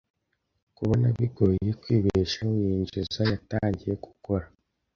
Kubona bigoye kwibeshaho yinjiza, yatangiye gukora.